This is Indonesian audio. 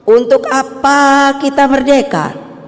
untuk apa kita merdeka